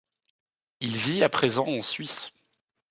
Il vit à présent en Suisse.